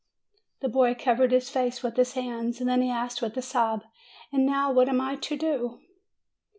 The boy covered his face with his hands; then he asked with a sob, "And now what am I to do